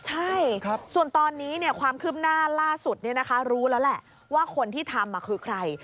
ใช่ส่วนตอนนี้ความคืบหน้าล่าสุดรู้แล้วแหละว่าคนที่ทำคือใคร